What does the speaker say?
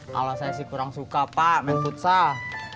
kalau saya sih kurang suka pak men futsal